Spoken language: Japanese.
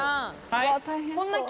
はい。